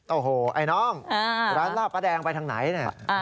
โอ้โฮไอ้น้องร้านราบกะแดงไปทางไหน